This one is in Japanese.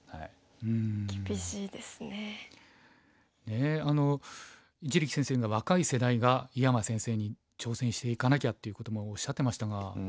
ねえ一力先生が若い世代が井山先生に挑戦していかなきゃっていうこともおっしゃってましたが。